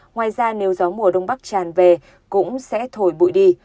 ngoài ra nếu gió mùa đông bắc tràn về cũng sẽ thổi bụi đi